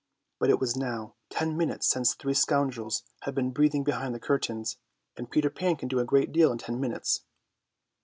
But it was now ten minutes since three scoundrels had been breathing behind the curtains, and Peter Pan can do a great deal in ten minutes.